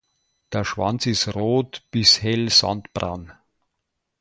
Der Schwanz ist rot bis hell sandbraun.